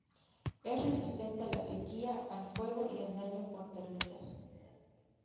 Es resistente a la sequía, al fuego y al daño por termitas.